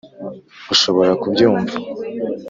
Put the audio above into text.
ushobora kubyumva?